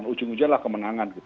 dan ujung ujungnya adalah kemenangan